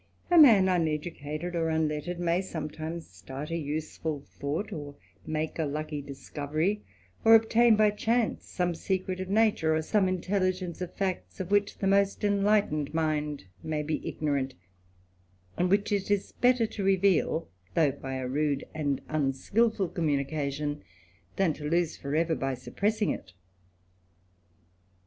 A man uneducated or unlettered may some times start a useful thought, or make a lucky discovery, or obtain by chance some secret of nature, or some intelligence of facts, of which the most enlightened mind may be ignorant, and which it is better to reveal, though by a rude and unskilful communication, than to lose for ever by suppressing it.